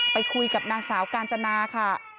ไปคุยกับนางสาวกาญจนาค่ะ